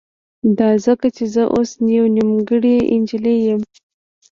دا ځکه چې زه اوس يوه نيمګړې نجلۍ يم.